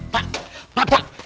pak pak pak